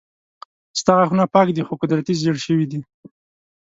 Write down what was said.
ستا غاښونه پاک دي خو قدرتي زيړ شوي دي